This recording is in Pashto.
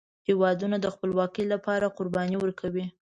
هیوادونه د خپلواکۍ لپاره قربانۍ ورکوي.